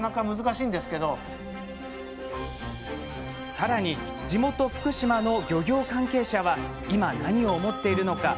さらに、地元福島の漁業関係者は今、何を思っているのか。